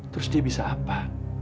terus dia bisa apa